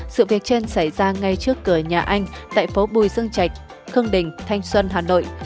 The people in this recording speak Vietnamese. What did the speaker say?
sự việc trên xảy ra ngay trước cửa nhà anh tại phố bùi dương trạch khương đình thanh xuân hà nội